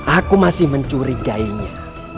aku masih mencurigainya